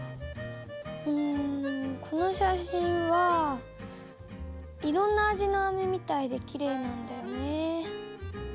うんこの写真はいろんな味のアメみたいできれいなんだよね。